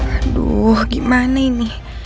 aduh gimana ini